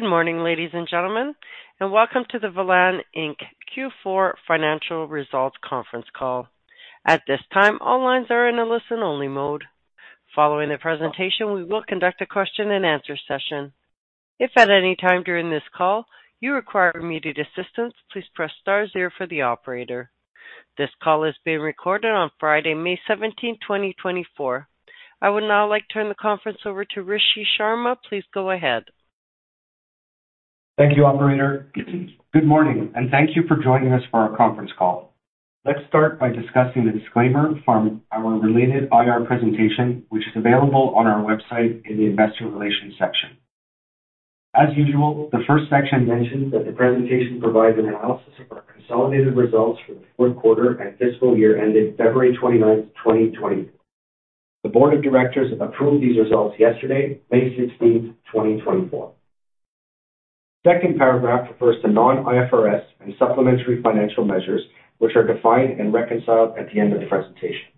Good morning, ladies and gentlemen, and welcome to the Velan Inc. Q4 Financial Results conference call. At this time, all lines are in a listen-only mode. Following the presentation, we will conduct a question-and-answer session. If at any time during this call you require immediate assistance, please press star zero for the operator. This call is being recorded on Friday, May 17, 2024. I would now like to turn the conference over to Rishi Sharma. Please go ahead. Thank you, operator. Good morning, and thank you for joining us for our conference call. Let's start by discussing the disclaimer from our related IR presentation, which is available on our website in the Investor Relations section. As usual, the first section mentions that the presentation provides an analysis of our consolidated results for the fourth quarter and fiscal year ending February 29, 2024. The board of directors approved these results yesterday, May 16, 2024. Second paragraph refers to non-IFRS and supplementary financial measures, which are defined and reconciled at the end of the presentation.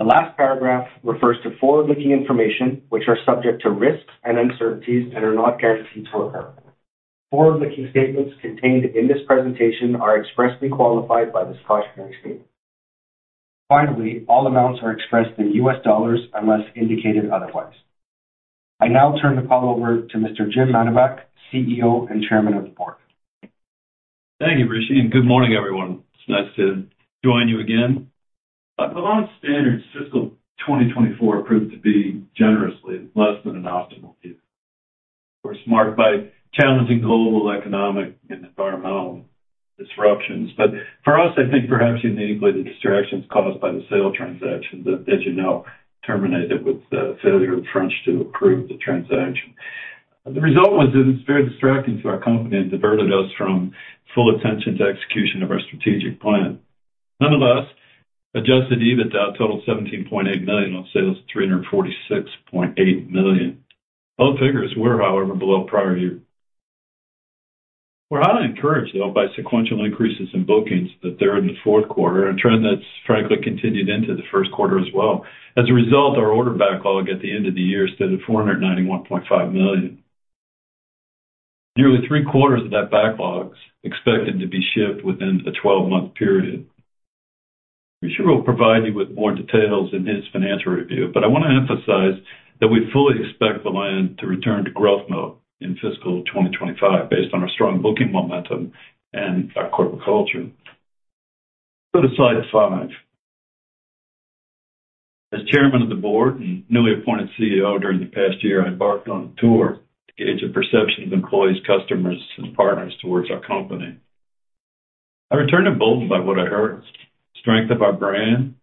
The last paragraph refers to forward-looking information which are subject to risks and uncertainties and are not guaranteed to occur. Forward-looking statements contained in this presentation are expressly qualified by this cautionary statement. Finally, all amounts are expressed in US dollars unless indicated otherwise. I now turn the call over to Mr. James Mannebach, CEO and Chairman of the Board. Thank you, Rishi, and good morning, everyone. It's nice to join you again. By Velan standards, fiscal 2024 proved to be genuinely less than an optimal year. We were smacked by challenging global, economic, and environmental disruptions. But for us, I think perhaps uniquely, the distractions caused by the sale transaction that, as you know, terminated with the failure of the French to approve the transaction. The result was that it was very distracting to our company and diverted us from full attention to execution of our strategic plan. Nonetheless, Adjusted EBITDA totaled $17.8 million, on sales of $346.8 million. Both figures were, however, below prior year. We're highly encouraged, though, by sequential increases in bookings in the fourth quarter, a trend that's frankly continued into the first quarter as well. As a result, our order backlog at the end of the year stood at $491.5 million. Nearly three-quarters of that backlog is expected to be shipped within a twelve-month period. Rishi will provide you with more details in his financial review, but I wanna emphasize that we fully expect Velan to return to growth mode in fiscal 2025, based on our strong booking momentum and our corporate culture. Go to slide 5. As Chairman of the Board and newly appointed CEO during the past year, I embarked on a tour to gauge the perception of employees, customers, and partners towards our company. I returned to Montreal buoyed by what I heard. Strength of our brand,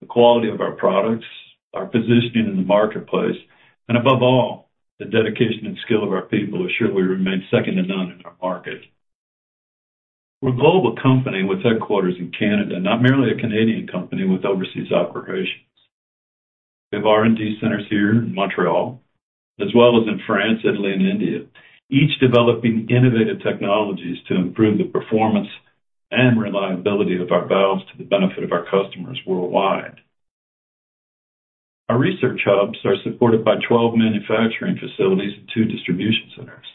the quality of our products, our positioning in the marketplace, and above all, the dedication and skill of our people assured we remain second to none in our market. We're a global company with headquarters in Canada, not merely a Canadian company with overseas operations. We have R&D centers here in Montreal, as well as in France, Italy, and India, each developing innovative technologies to improve the performance and reliability of our valves to the benefit of our customers worldwide. Our research hubs are supported by 12 manufacturing facilities and two distribution centers.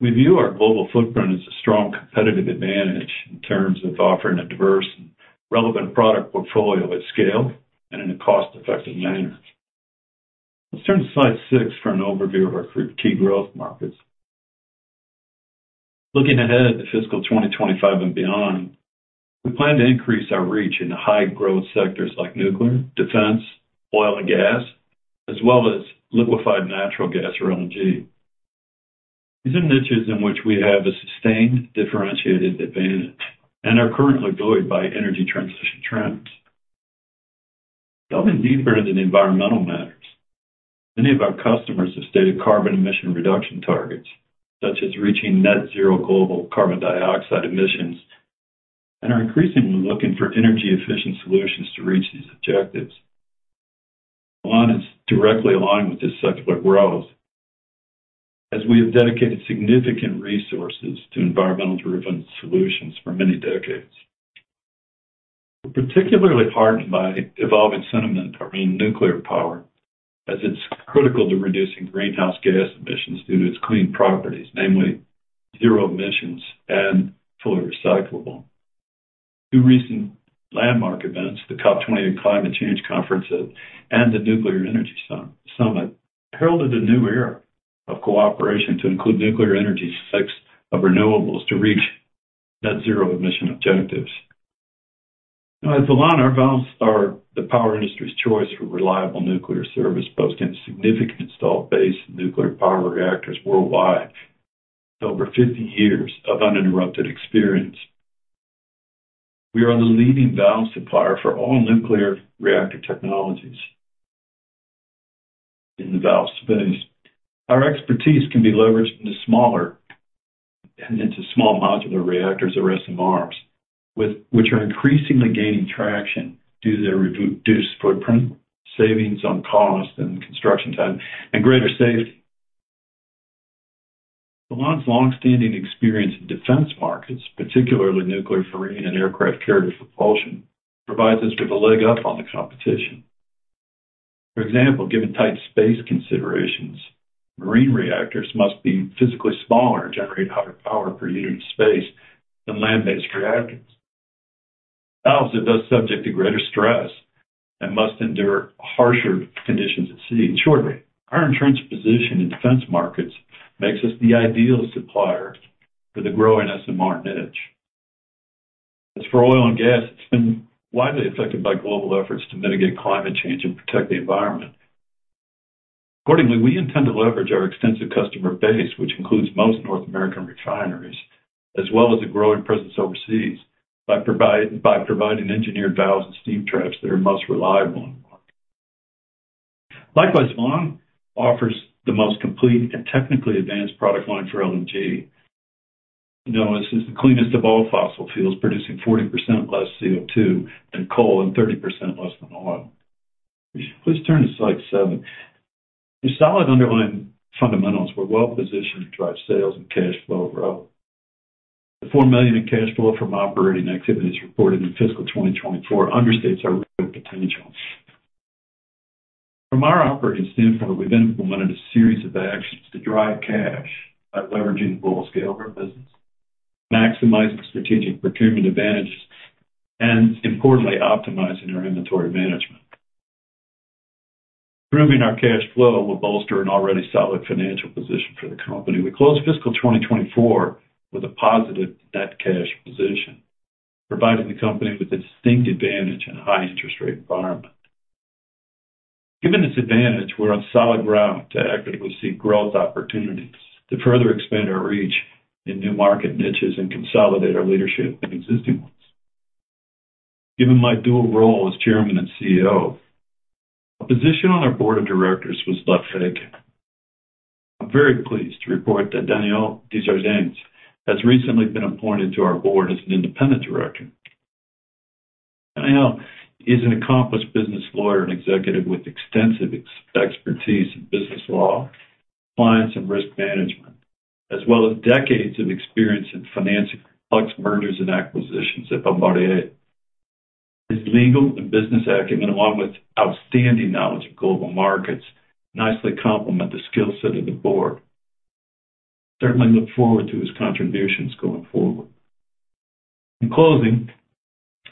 We view our global footprint as a strong competitive advantage in terms of offering a diverse and relevant product portfolio at scale and in a cost-effective manner. Let's turn to slide 6 for an overview of our key growth markets. Looking ahead at the fiscal 2025 and beyond, we plan to increase our reach into high-growth sectors like nuclear, defense, oil and gas, as well as liquefied natural gas or LNG. These are niches in which we have a sustained, differentiated advantage and are currently buoyed by energy transition trends. Delving deeper into the environmental matters, many of our customers have stated carbon emission reduction targets, such as reaching net zero global carbon dioxide emissions, and are increasingly looking for energy-efficient solutions to reach these objectives. Velan is directly aligned with this circular growth, as we have dedicated significant resources to environmental-driven solutions for many decades. We're particularly heartened by evolving sentiment around nuclear power, as it's critical to reducing greenhouse gas emissions due to its clean properties, namely zero emissions and fully recyclable. Two recent landmark events, the COP 28 Climate Change Conference and the Nuclear Energy Summit, heralded a new era of cooperation to include nuclear energy as one of the renewables to reach net zero emission objectives. Now, at Velan, our valves are the power industry's choice for reliable nuclear service, boasting a significant installed base of nuclear power reactors worldwide, over 50 years of uninterrupted experience. We are the leading valve supplier for all nuclear reactor technologies. In the valve space, our expertise can be leveraged into smaller and into small modular reactors, or SMRs, with which are increasingly gaining traction due to their reduced footprint, savings on cost and construction time, and greater safety. Velan's longstanding experience in defense markets, particularly nuclear, marine, and aircraft carrier propulsion, provides us with a leg up on the competition. For example, given tight space considerations, marine reactors must be physically smaller and generate higher power per unit of space than land-based reactors. Valves are thus subject to greater stress and must endure harsher conditions at sea. In short, our entrenched position in defense markets makes us the ideal supplier for the growing SMR niche. As for oil and gas, it's been widely affected by global efforts to mitigate climate change and protect the environment. Accordingly, we intend to leverage our extensive customer base, which includes most North American refineries, as well as a growing presence overseas, by providing engineered valves and steam traps that are most reliable. Likewise, Velan offers the most complete and technically advanced product line for LNG. You know, this is the cleanest of all fossil fuels, producing 40% less CO2 than coal and 30% less than oil. Please turn to slide 7. The solid underlying fundamentals we're well positioned to drive sales and cash flow growth. The $4 million in cash flow from operating activities reported in fiscal 2024 understates our growth potential. From our operating standpoint, we've implemented a series of actions to drive cash by leveraging the global scale of our business, maximizing strategic procurement advantages, and importantly, optimizing our inventory management. Improving our cash flow will bolster an already solid financial position for the company. We closed fiscal 2024 with a positive net cash position, providing the company with a distinct advantage in a high interest rate environment. Given this advantage, we're on solid ground to actively seek growth opportunities to further expand our reach in new market niches and consolidate our leadership in existing ones. Given my dual role as chairman and CEO, a position on our board of directors was left vacant. I'm very pleased to report that Daniel Desjardins has recently been appointed to our board as an independent director. Daniel is an accomplished business lawyer and executive with extensive expertise in business law, compliance, and risk management, as well as decades of experience in financing complex mergers and acquisitions at Bombardier. His legal and business acumen, along with outstanding knowledge of global markets, nicely complement the skill set of the board. Certainly look forward to his contributions going forward. In closing,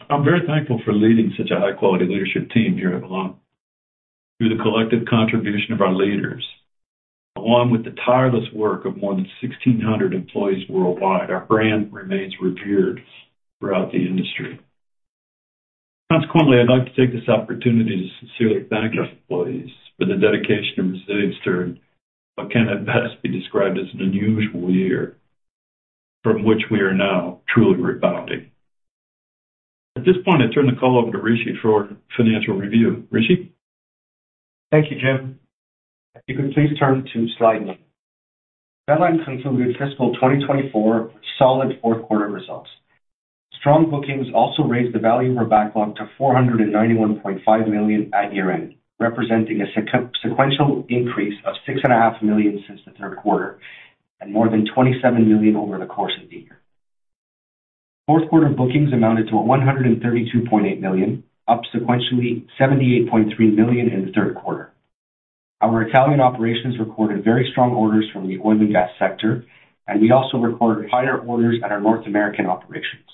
I'm very thankful for leading such a high-quality leadership team here at Velan. Through the collective contribution of our leaders, along with the tireless work of more than 1,600 employees worldwide, our brand remains revered throughout the industry. Consequently, I'd like to take this opportunity to sincerely thank our employees for their dedication and resilience during what can at best be described as an unusual year from which we are now truly rebounding. At this point, I turn the call over to Rishi for financial review. Rishi? Thank you, Jim. If you could please turn to slide one. Velan concluded fiscal 2024 with solid fourth quarter results. Strong bookings also raised the value of our backlog to $491.5 million at year-end, representing a sequential increase of $6.5 million since the third quarter and more than $27 million over the course of the year. Fourth quarter bookings amounted to $132.8 million, up sequentially, $78.3 million in the third quarter. Our Italian operations recorded very strong orders from the oil and gas sector, and we also recorded higher orders at our North American operations.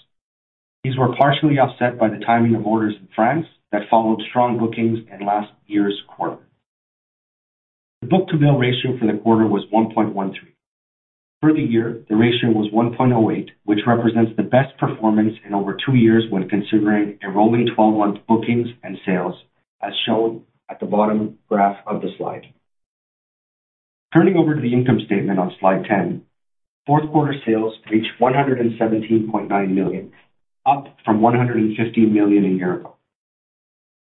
These were partially offset by the timing of orders in France that followed strong bookings in last year's quarter. The book-to-bill ratio for the quarter was 1.13. For the year, the ratio was 1.08, which represents the best performance in over two years when considering a rolling 12-month bookings and sales, as shown at the bottom graph of the slide. Turning over to the income statement on slide 10, fourth quarter sales reached $117.9 million, up from $150 million a year ago.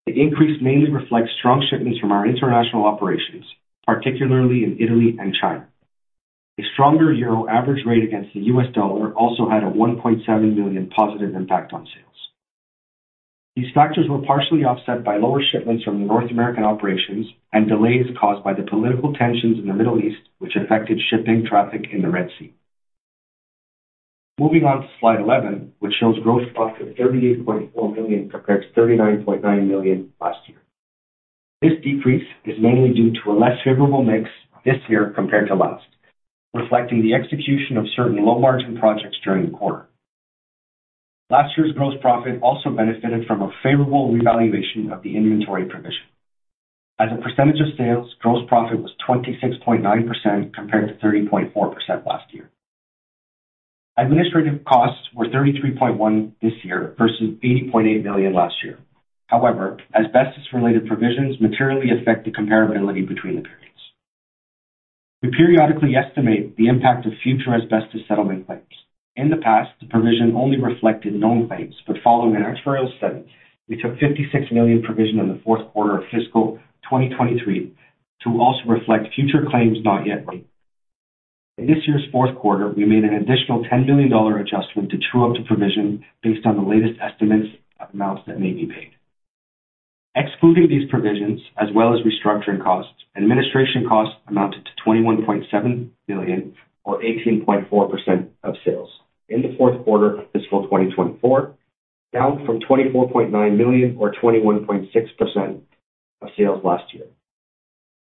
The increase mainly reflects strong shipments from our international operations, particularly in Italy and China. A stronger euro average rate against the US dollar also had a $1.7 million positive impact on sales. These factors were partially offset by lower shipments from the North American operations and delays caused by the political tensions in the Middle East, which affected shipping traffic in the Red Sea. Moving on to slide 11, which shows gross profit of $38.4 million, compared to $39.9 million last year. This decrease is mainly due to a less favorable mix this year compared to last, reflecting the execution of certain low-margin projects during the quarter. Last year's gross profit also benefited from a favorable revaluation of the inventory provision. As a percentage of sales, gross profit was 26.9%, compared to 30.4% last year. Administrative costs were $33.1 million this year versus $80.8 million last year. However, asbestos-related provisions materially affect the comparability between the periods. We periodically estimate the impact of future asbestos settlement claims. In the past, the provision only reflected known claims, but following an actuarial study, we took $56 million provision in the fourth quarter of fiscal 2023 to also reflect future claims not yet made. In this year's fourth quarter, we made an additional $10 million dollar adjustment to true up the provision based on the latest estimates of amounts that may be paid.... Excluding these provisions, as well as restructuring costs, administration costs amounted to $21.7 billion, or 18.4% of sales in the fourth quarter of fiscal 2024, down from $24.9 million or 21.6% of sales last year.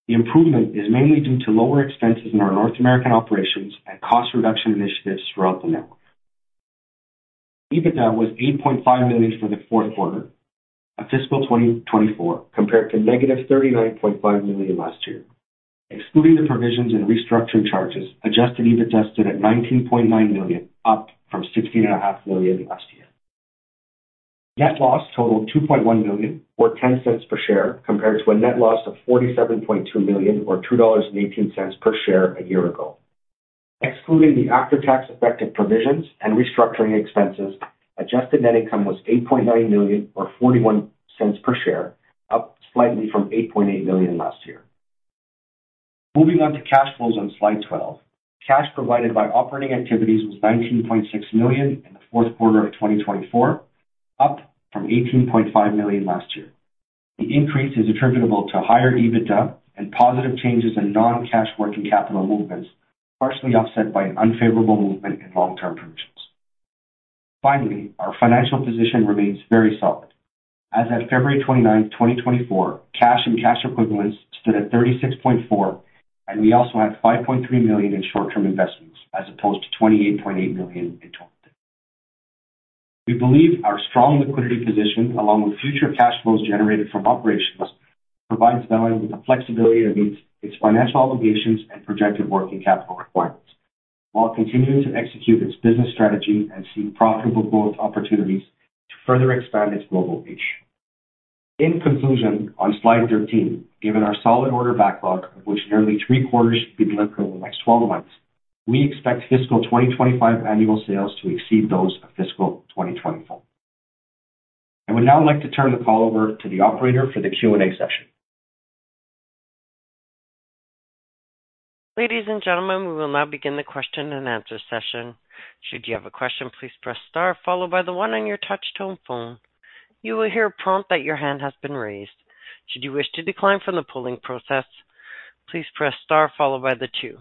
The improvement is mainly due to lower expenses in our North American operations and cost reduction initiatives throughout the network. EBITDA was $8.5 million for the fourth quarter of fiscal 2024, compared to -$39.5 million last year. Excluding the provisions and restructuring charges, Adjusted EBITDA stood at $19.9 million, up from $16.5 million last year. Net loss totaled $2.1 million, or $0.10 per share, compared to a net loss of $47.2 million or $2.18 per share a year ago. Excluding the after-tax effective provisions and restructuring expenses, adjusted net income was $8.9 million or $0.41 per share, up slightly from $8.8 million last year. Moving on to cash flows on slide 12. Cash provided by operating activities was $19.6 million in the fourth quarter of 2024, up from $18.5 million last year. The increase is attributable to higher EBITDA and positive changes in non-cash working capital movements, partially offset by an unfavorable movement in long-term provisions. Finally, our financial position remains very solid. As of February 29, 2024, cash and cash equivalents stood at $36.4 million, and we also had $5.3 million in short-term investments, as opposed to $28.8 million in total. We believe our strong liquidity position, along with future cash flows generated from operations, provides Velan Inc. with the flexibility to meet its financial obligations and projected working capital requirements, while continuing to execute its business strategy and seek profitable growth opportunities to further expand its global reach. In conclusion, on slide 13, given our solid order backlog, of which nearly three-quarters should be delivered over the next 12 months, we expect fiscal 2025 annual sales to exceed those of fiscal 2024. I would now like to turn the call over to the operator for the Q&A session. Ladies and gentlemen, we will now begin the question-and-answer session. Should you have a question, please press star followed by the one on your touchtone phone. You will hear a prompt that your hand has been raised. Should you wish to decline from the polling process, please press star followed by the two.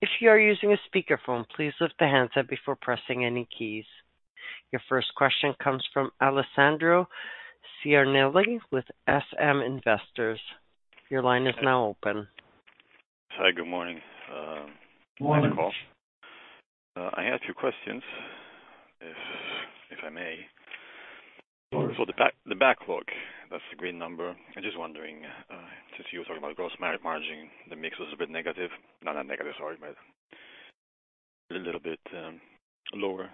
If you are using a speakerphone, please lift the handset before pressing any keys. Your first question comes from Alessandro Ciarnelli with SM Investors. Your line is now open. Hi, good morning. Good morning. I had two questions, if I may. So the backlog, that's a great number. I'm just wondering, since you were talking about gross margin, the mix was a bit negative. Not negative, sorry, but a little bit lower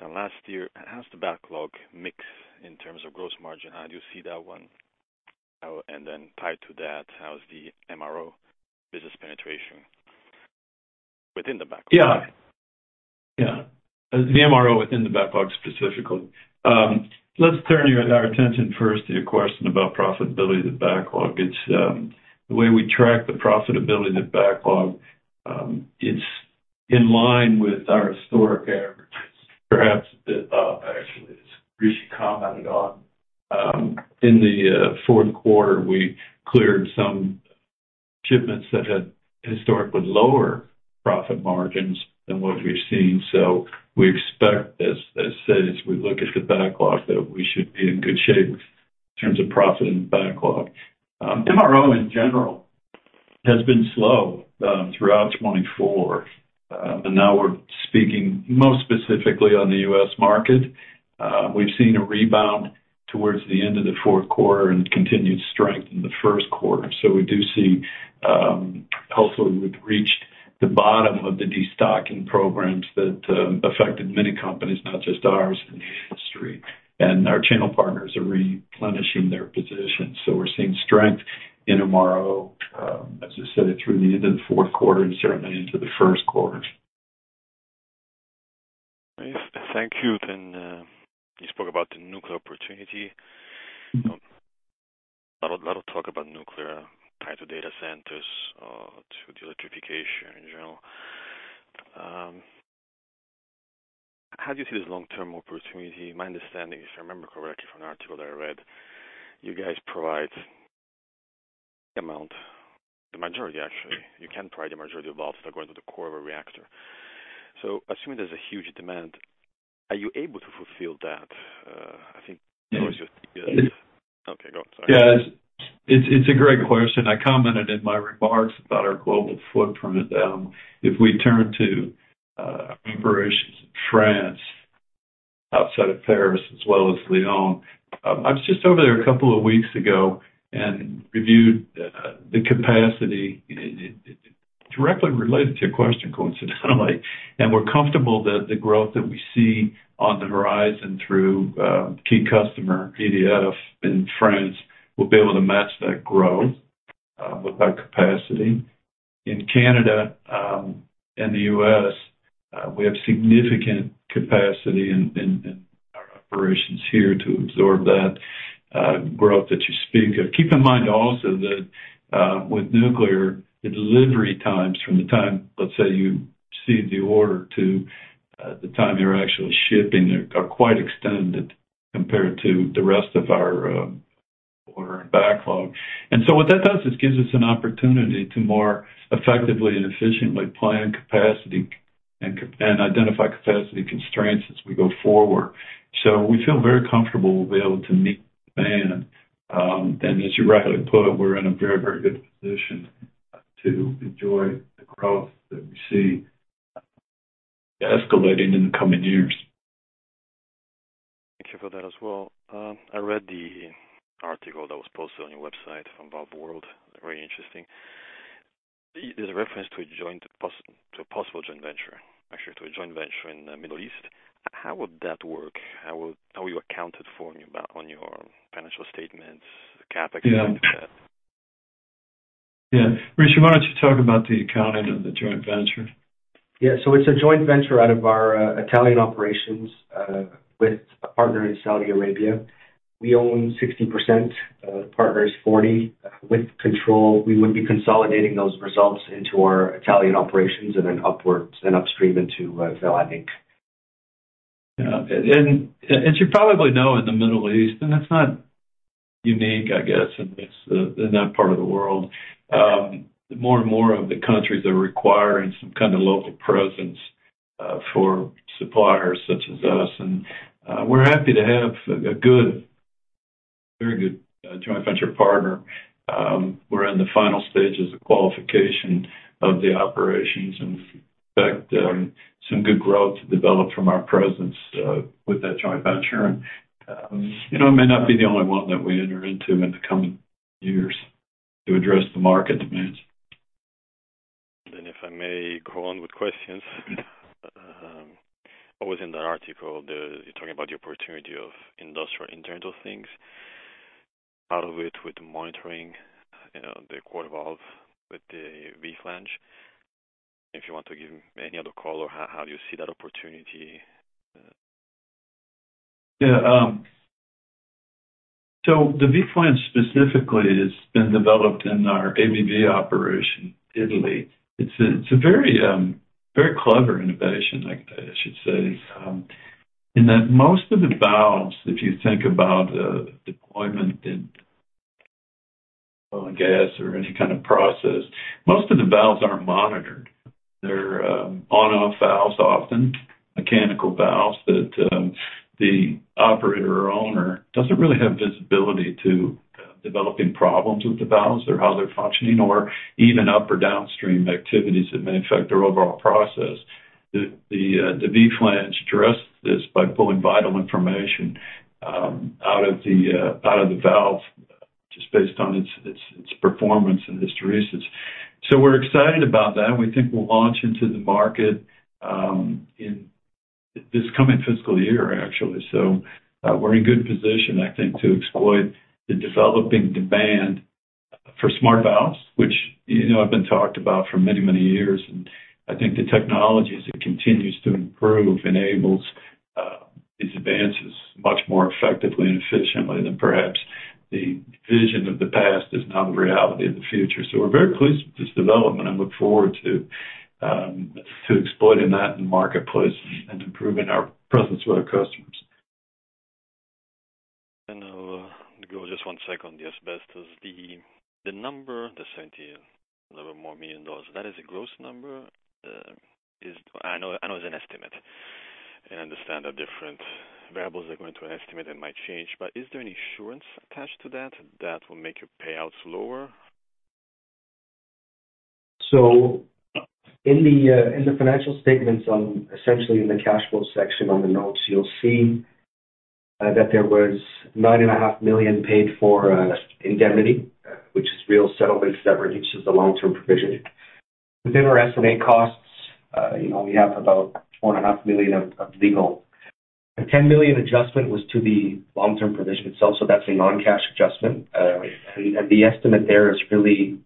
than last year. How's the backlog mix in terms of gross margin? How do you see that one? And then tied to that, how's the MRO business penetration within the backlog? Yeah. Yeah, the MRO within the backlog, specifically. Let's turn our attention first to your question about profitability of the backlog. It's the way we track the profitability of the backlog. It's in line with our historic averages, perhaps a bit up, actually, as Rishi commented on. In the fourth quarter, we cleared some shipments that had historically lower profit margins than what we've seen. So we expect, as said, as we look at the backlog, that we should be in good shape in terms of profit and backlog. MRO in general has been slow throughout 2024. And now we're speaking most specifically on the U.S. market. We've seen a rebound towards the end of the fourth quarter and continued strength in the first quarter. We do see, hopefully, we've reached the bottom of the destocking programs that affected many companies, not just ours, in the industry. Our channel partners are replenishing their positions. We're seeing strength in MRO, as I said, through the end of the fourth quarter and certainly into the first quarter. Nice. Thank you. Then, you spoke about the nuclear opportunity. Mm-hmm. A lot of talk about nuclear tied to data centers, to the electrification in general. How do you see this long-term opportunity? My understanding, if I remember correctly from an article that I read, you guys provide the majority, actually. You can provide the majority of valves that go into the core of a reactor. So assuming there's a huge demand, are you able to fulfill that? I think that was your- Yes. Okay, go on. Sorry. Yes, it's, it's a great question. I commented in my remarks about our global footprint. If we turn to operations in France, outside of Paris as well as Lyon. I was just over there a couple of weeks ago and reviewed the capacity directly related to your question, coincidentally, and we're comfortable that the growth that we see on the horizon through key customer, EDF in France, will be able to match that growth with our capacity. In Canada and the US, we have significant capacity in our operations here to absorb that growth that you speak of. Keep in mind also that, with nuclear, the delivery times from the time, let's say, you receive the order to- The time they're actually shipping are quite extended compared to the rest of our order backlog. And so what that does is gives us an opportunity to more effectively and efficiently plan capacity and identify capacity constraints as we go forward. So we feel very comfortable we'll be able to meet demand. And as you rightly put, we're in a very, very good position to enjoy the growth that we see escalating in the coming years. Thank you for that as well. I read the article that was posted on your website on ValveWorld. Very interesting. There's a reference to a possible joint venture, actually to a joint venture in the Middle East. How would that work? How would you accounted for on your financial statements, the CapEx? Yeah. Yeah. Rishi, why don't you talk about the accounting of the joint venture? Yeah. So it's a joint venture out of our Italian operations with a partner in Saudi Arabia. We own 60%, the partner is 40. With control, we would be consolidating those results into our Italian operations and then upwards and upstream into Velan Inc. Yeah. And as you probably know, in the Middle East, and that's not unique, I guess, in this, in that part of the world, more and more of the countries are requiring some kind of local presence for suppliers such as us. And we're happy to have a good, very good joint venture partner. We're in the final stages of qualification of the operations, and in fact, some good growth developed from our presence with that joint venture. And you know, it may not be the only one that we enter into in the coming years to address the market demands. Then if I may go on with questions, always in that article, you're talking about the opportunity of Industrial Internet of Things, part of it with the monitoring, you know, the quarter valve with the V-Flange. If you want to give any other color, how do you see that opportunity? Yeah. So the V-Flange specifically has been developed in our ABV operation, Italy. It's a very clever innovation, I should say, in that most of the valves, if you think about the deployment in oil and gas or any kind of process, most of the valves aren't monitored. They're on-off valves, often mechanical valves, that the operator or owner doesn't really have visibility to developing problems with the valves or how they're functioning, or even up or downstream activities that may affect their overall process. The V-Flange addresses this by pulling vital information out of the valve, just based on its performance and hysteresis. So we're excited about that, and we think we'll launch into the market in this coming fiscal year, actually. So, we're in good position, I think, to exploit the developing demand for smart valves, which, you know, have been talked about for many, many years. And I think the technologies that continues to improve enables these advances much more effectively and efficiently than perhaps the vision of the past is now the reality of the future. So we're very pleased with this development and look forward to exploiting that in the marketplace and improving our presence with our customers. And I'll go just one second. The asbestos, the number, the $70, little more million dollars, that is a gross number? I know, I know it's an estimate, I understand the different variables that go into an estimate and might change, but is there any insurance attached to that, that will make your payouts lower? So in the financial statements, on essentially in the cash flow section on the notes, you'll see that there was $9.5 million paid for indemnity, which is real settlements that reduces the long-term provision. Within our estimate costs, you know, we have about $4.5 million of legal. The 10 million adjustment was to the long-term provision itself, so that's a non-cash adjustment. And the estimate there is really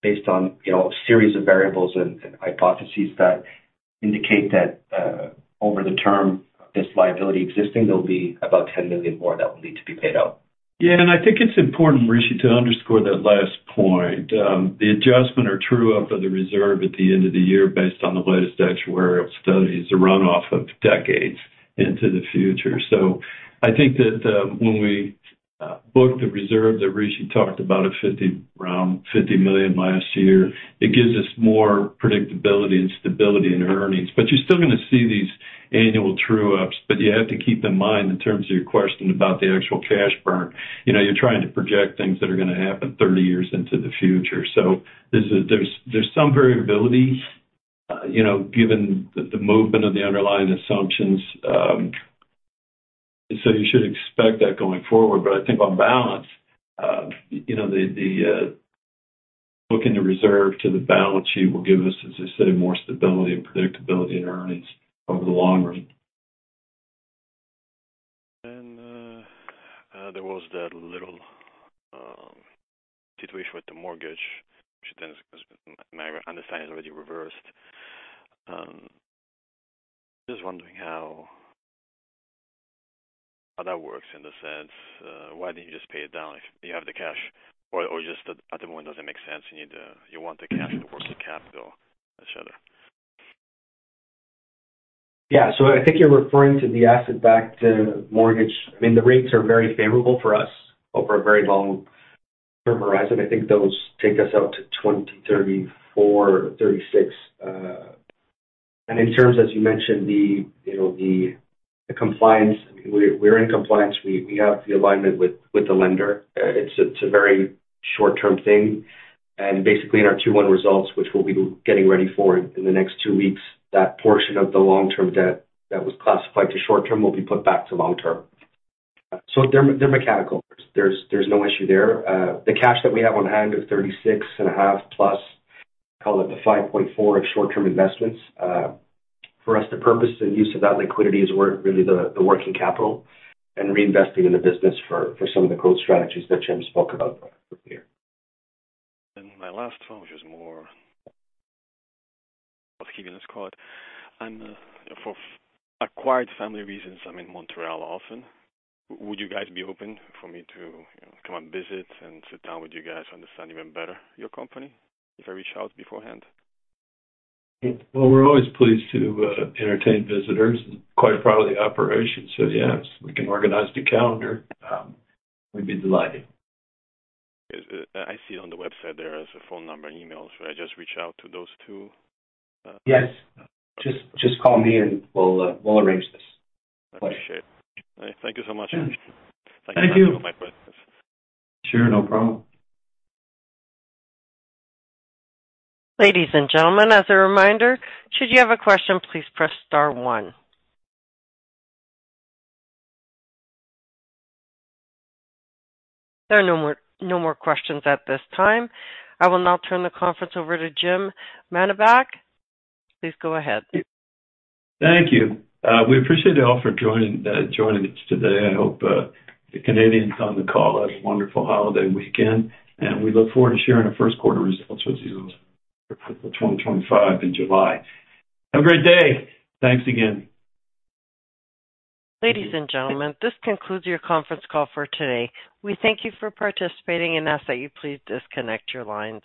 based on, you know, a series of variables and hypotheses that indicate that over the term of this liability existing, there'll be about $10 million more that will need to be paid out. Yeah, and I think it's important, Rishi, to underscore that last point. The adjustment or true-up of the reserve at the end of the year, based on the latest actuarial studies, is a run-off of decades into the future. So I think that, when we book the reserve that Rishi talked about, of $50, around $50 million last year, it gives us more predictability and stability in earnings. But you're still gonna see these annual true-ups, but you have to keep in mind, in terms of your question about the actual cash burn, you know, you're trying to project things that are gonna happen 30 years into the future. So there's some variability, you know, given the movement of the underlying assumptions. So you should expect that going forward. But I think on balance, you know, the booking the reserve to the balance sheet will give us, as I said, more stability and predictability in earnings over the long run. And, there was that little situation with the mortgage, which then, as I understand, is already reversed. Just wondering how... How that works in the sense, why didn't you just pay it down if you have the cash? Or just at the moment, does it make sense, and you'd you want the cash, the working capital, et cetera? Yeah. So I think you're referring to the asset-backed mortgage. I mean, the rates are very favorable for us over a very long-term horizon. I think those take us out to 2034, 2036. And in terms, as you mentioned, you know, the compliance, we're in compliance. We have the alignment with the lender. It's a very short-term thing. And basically, in our 2021 results, which we'll be getting ready for in the next two weeks, that portion of the long-term debt that was classified to short-term will be put back to long-term. So they're mechanical. There's no issue there. The cash that we have on hand is $36.5+, call it the $5.4 of short-term investments. For us, the purpose and use of that liquidity is we're really the working capital and reinvesting in the business for some of the growth strategies that Jim spoke about earlier. My last one, which is more of Keegan's call, and, for acquired family reasons, I'm in Montreal often. Would you guys be open for me to come and visit and sit down with you guys to understand even better your company, if I reach out beforehand? Well, we're always pleased to entertain visitors, quite a part of the operation. So yes, we can organize the calendar. We'd be delighted. I see on the website there is a phone number and email. Should I just reach out to those two? Yes. Just, just call me, and we'll, we'll arrange this. I appreciate it. Thank you so much. Thank you. Thank you for my questions. Sure, no problem. Ladies and gentlemen, as a reminder, should you have a question, please press star one. There are no more, no more questions at this time. I will now turn the conference over to Jim Mannebach. Please go ahead. Thank you. We appreciate you all for joining, joining us today. I hope, the Canadians on the call have a wonderful holiday weekend, and we look forward to sharing our first quarter results with you for 2025 in July. Have a great day. Thanks again. Ladies and gentlemen, this concludes your conference call for today. We thank you for participating and ask that you please disconnect your lines.